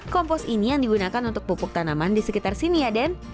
kompos ini yang digunakan untuk pupuk tanaman di sekitar sini ya den